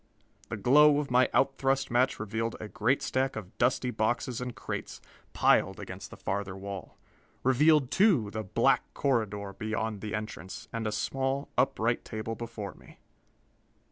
The glow of my out thrust match revealed a great stack of dusty boxes and crates, piled against the farther wall. Revealed, too, the black corridor beyond the entrance, and a small, upright table before me.